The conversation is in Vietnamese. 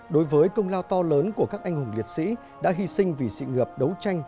đối với công lao to lớn của các anh hùng liệt sĩ đã hy sinh vì sự nghiệp đấu tranh